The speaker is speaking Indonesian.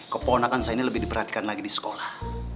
keponakan saya ini lebih diperhatikan lagi di sekolah